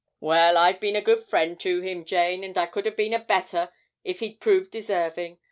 'Well, I've been a good friend to him, Jane, and I could have been a better if he'd proved deserving.